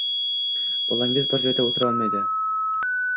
Bolangiz bir joyda o‘tira olmaydi